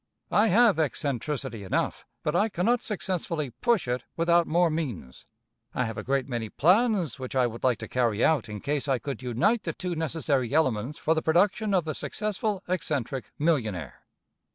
I have eccentricity enough, but I cannot successfully push it without more means. I have a great many plans which I would like to carry out, in case I could unite the two necessary elements for the production of the successful eccentric millionaire.